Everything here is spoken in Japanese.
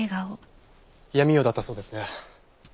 闇夜だったそうですね。